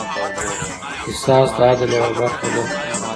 قصاص د عدل یوه برخه ده.